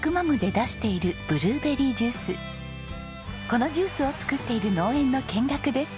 このジュースを作っている農園の見学です。